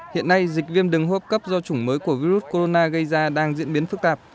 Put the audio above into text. hiện nay dịch viêm đường hô hấp cấp do chủng mới của virus corona gây ra đang diễn biến phức tạp